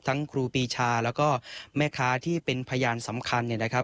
ครูปีชาแล้วก็แม่ค้าที่เป็นพยานสำคัญเนี่ยนะครับ